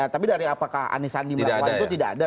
tapi dari apakah anies sandi melakukan itu tidak ada